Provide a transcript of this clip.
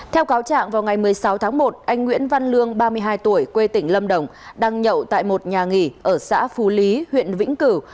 theo cáo trạng vào ngày một mươi sáu tháng một anh nguyễn văn lương ba mươi hai tuổi quê tỉnh lâm đồng đang nhậu tại một nhà nghỉ ở xã phú lý huyện vĩnh cửu